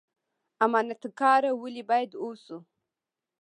امانت کاره ولې باید اوسو؟